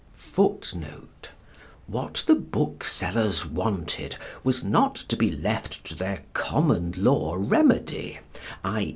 [A] [Footnote A: What the booksellers wanted was not to be left to their common law remedy _i.